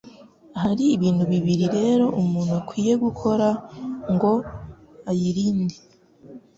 Hari ibintu bibiri rero umuntu akwiye gukora ngo ayirinde